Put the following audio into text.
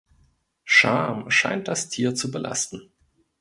Scham scheint das Tier zu belasten.